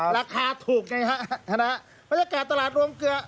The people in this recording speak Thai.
ราคาถูกไงฮะท่านฮะบรรยากาศตลาดโรงเกลือ